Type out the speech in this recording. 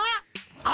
あ！